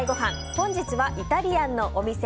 本日はイタリアンのお店